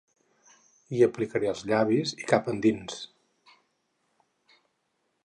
Hi aplicaré els llavis i cap endins.